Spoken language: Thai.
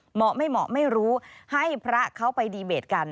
เหมาะไม่เหมาะไม่รู้ให้พระเขาไปดีเบตกัน